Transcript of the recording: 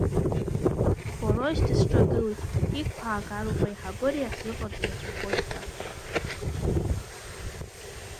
Бороис дысҿагылеит, иқәаагароуп, аиҳабыра иаҳзыҟарҵо рацәахоит ҳәа.